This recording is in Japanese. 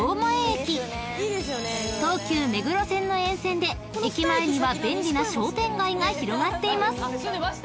［東急目黒線の沿線で駅前には便利な商店街が広がっています］